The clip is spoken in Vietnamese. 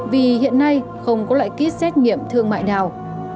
vì hiện nay không có loại kit xét nghiệm thương mại nào